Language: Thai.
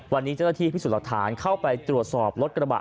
วันนี้เจ้าหน้าที่พิสูจน์หลักฐานเข้าไปตรวจสอบรถกระบะ